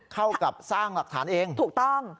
เข้ากับสร้างหลักฐานเองถูกต้อง